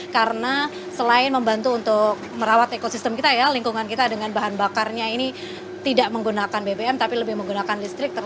karena selain membantu untuk merawat ekosistem kita ya lingkungan kita dengan bahan bakarnya ini tidak menggunakan bbm tapi lebih menggunakan listrik